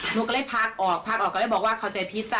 หนูก็เลยพาออกพักออกก็เลยบอกว่าเข้าใจผิดจ้